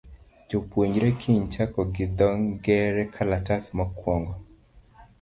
Jopuonjre kiny chako gi dho ngere kalatas mokwongo.